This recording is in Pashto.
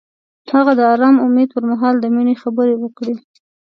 هغه د آرام امید پر مهال د مینې خبرې وکړې.